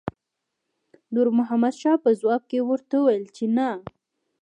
نور محمد شاه په ځواب کې ورته وویل چې نه.